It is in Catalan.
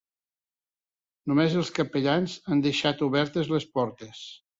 Només els capellans han deixat obertes les portes.